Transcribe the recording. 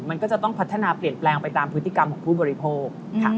มันก็จะต้องพัฒนาเปลี่ยนแปลงไปตามพฤติกรรมของผู้บริโภค